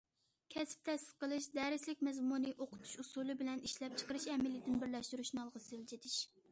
كەسىپ تەسىس قىلىش، دەرسلىك مەزمۇنى، ئوقۇتۇش ئۇسۇلى بىلەن ئىشلەپچىقىرىش ئەمەلىيىتىنى بىرلەشتۈرۈشنى ئالغا سىلجىتىش.